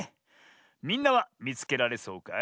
みんなはみつけられそうかい？